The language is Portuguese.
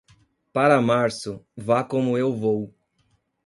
Para março, vá como eu vou.